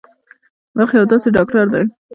وخت یو داسې ډاکټر دی